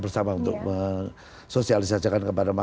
tentunya ini menjadi tugas yang sangat penting